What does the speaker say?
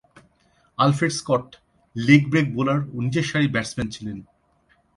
Alfred Scott leg break bowler ও নিচেরসারির batsman ছিলেন।